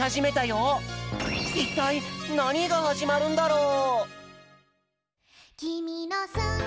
いったいなにがはじまるんだろう！？